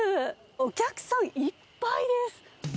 お客さんいっぱいです。